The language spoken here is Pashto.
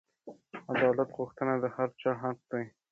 عدالت غوښتنه د هر چا حق دی.